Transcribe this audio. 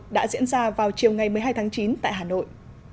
đã diễn ra vào chiều ngày một mươi hai tháng chín tại hà nội